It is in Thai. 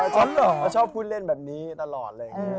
ชอบพูดเล่นแบบนี้ตลอด